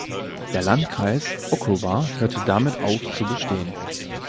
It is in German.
Der Landkreis Ōkawa hörte damit auf zu bestehen.